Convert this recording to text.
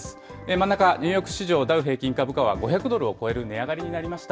真ん中、ニューヨーク市場ダウ平均株価は、５００ドルを超える値上がりになりました。